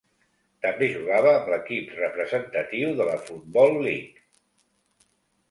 També jugava amb l'equip representatiu de la Football League.